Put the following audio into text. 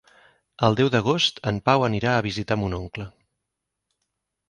El deu d'agost en Pau anirà a visitar mon oncle.